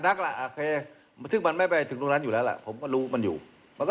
สถานการณ์จะไม่ไปจนถึงขั้นนั้นครับ